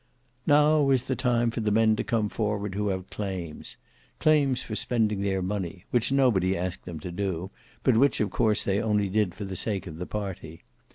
Now is the time for the men to come forward who have claims; claims for spending their money, which nobody asked them to do, but which of course they only did for the sake of the party.